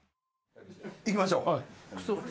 行きましょう。